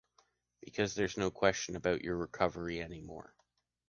Because there’s no question about your recovery anymore.